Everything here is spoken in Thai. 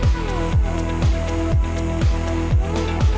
ตอนนี้ก็ไม่มีที่นี่